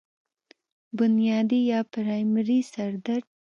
بنيادي يا پرائمري سر درد